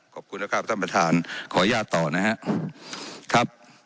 ขอบคุณนะครับท่านประธานขออนุญาตต่อนะครับ